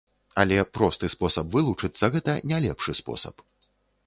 Але просты спосаб вылучыцца, гэта не лепшы спосаб.